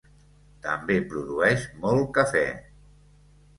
També produeix molt cafè.